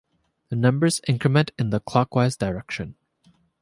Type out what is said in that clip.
The numbers increment in the clockwise direction.